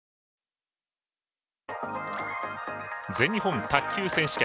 全日本卓球選手権。